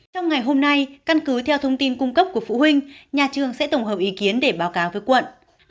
trong ngày hôm nay căn cứ theo thông tin cung cấp của phụ huynh nhà trường sẽ tổng hợp ý kiến để báo cáo với quận